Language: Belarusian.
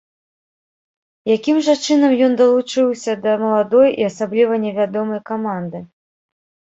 Якім жа чынам ён далучыўся да маладой і асабліва невядомай каманды?